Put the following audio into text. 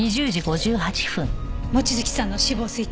望月さんの死亡推定時刻。